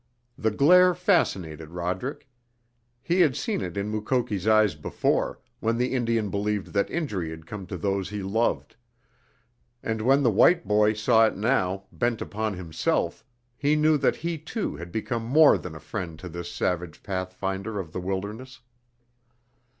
The glare fascinated Roderick. He had seen it in Mukoki's eyes before, when the Indian believed that injury had come to those he loved; and when the white boy saw it now, bent upon himself, he knew that he, too, had become more than a friend to this savage pathfinder of the wilderness.